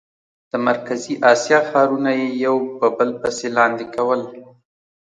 د مرکزي اسیا ښارونه یې یو په بل پسې لاندې کول.